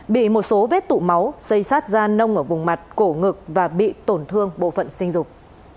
bị một số vết tụ máu xây sát da nông ở vùng mặt cổ ngực và bị tổn thương bộ phận sinh dục